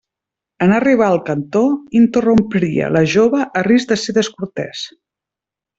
En arribar al cantó, interrompria la jove, a risc de ser descortès.